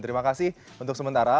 terima kasih untuk sementara